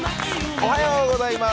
おはようございます。